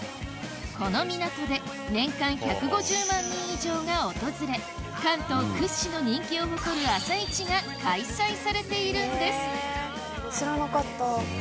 この港で年間１５０万人以上が訪れ関東屈指の人気を誇る朝市が開催されているんです知らなかった。